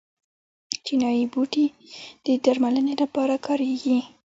چینايي بوټي د درملنې لپاره کاریږي.